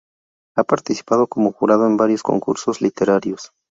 Ha participado como jurado en varios concursos literarios.